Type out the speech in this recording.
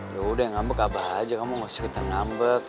yaudah ngambek abah aja kamu gak suka ngambek